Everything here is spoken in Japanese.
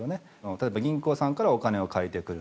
例えば銀行さんからお金を借りてくる。